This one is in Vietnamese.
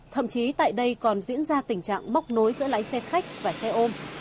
thậm chí tại đây còn diễn ra tình trạng móc nối giữa lái xe khách và xe ôm